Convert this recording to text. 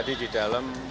tadi di dalam